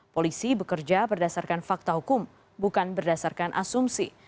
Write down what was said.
polisi bekerja berdasarkan fakta hukum bukan berdasarkan asumsi